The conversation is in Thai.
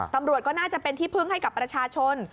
ตำรวจก็น่าจะเป็นที่พึ่งให้กับประชาชน